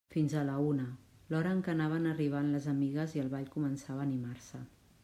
Fins a la una, l'hora en què anaven arribant les amigues i el ball començava a animar-se.